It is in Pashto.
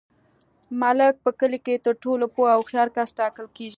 ملک په کلي کي تر ټولو پوه او هوښیار کس ټاکل کیږي.